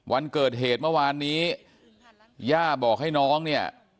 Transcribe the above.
วันเกิดเหตุเมื่อวานนี้ย่าบอกให้น้องเนี่ย